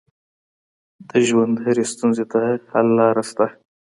د ژوند هرې ستونزې ته حل لاره شته.